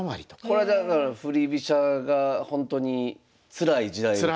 これだから振り飛車がほんとにつらい時代ですか。